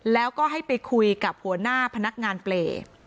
แล้วก็ให้ไปคุยกับหัวหน้าพนักงานเปรย์